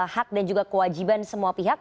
hak dan juga kewajiban semua pihak